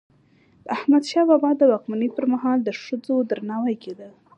د احمدشاه بابا د واکمني پر مهال د ښځو درناوی کيده.